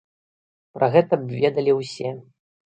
Пра гэта б ведалі ўсе.